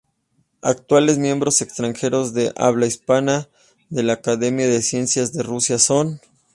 Actuales miembros extranjeros de habla hispana de la Academia de Ciencias de Rusia son